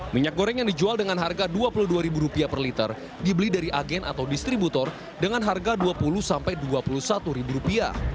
minyak goreng yang dijual dengan harga rp dua puluh dua per liter dibeli dari agen atau distributor dengan harga rp dua puluh rp dua puluh satu